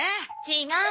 違う。